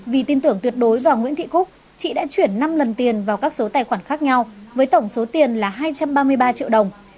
vì tin tưởng tuyệt đối vào nguyễn thị cúc chị đã chuyển năm lần tiền vào các số tài khoản khác nhau với tổng số tiền là hai trăm ba mươi ba triệu đồng